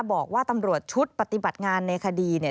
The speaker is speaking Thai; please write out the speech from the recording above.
บอกว่าตำรวจชุดปฏิบัติงานในคดีเนี่ย